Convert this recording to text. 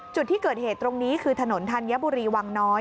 จุดที่เกิดเหตุตรงนี้คือถนนธัญบุรีวังน้อย